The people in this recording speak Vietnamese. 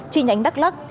chi nhánh đắk lắc